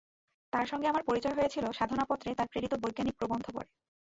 তাঁর সঙ্গে আমার পরিচয় হয়েছিল সাধনা পত্রে তাঁর প্রেরিত বৈজ্ঞানিক প্রবন্ধ পড়ে।